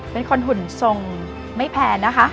เป็นคนหุ่นทรงไม่แพนนะคะ